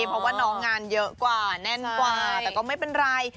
เพราะว่าน้องงานเยอะกว่าแน่นกว่าแต่ก็ไม่เป็นไร